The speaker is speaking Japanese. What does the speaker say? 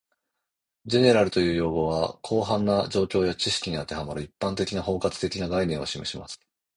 "General" という用語は、広範な状況や知識に当てはまる、一般的・包括的な概念を示します